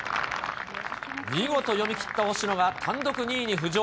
見事読み切った星野が単独２位に浮上。